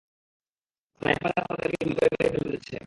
স্নাইপাররা তাদেরকে গুলি করে মেরে ফেলতে যাচ্ছে।